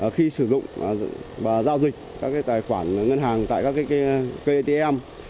khi sử dụng và giao dịch các tài khoản ngân hàng tại các cây atm